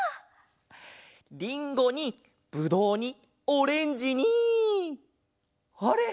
リンゴにブドウにオレンジにあれっ！？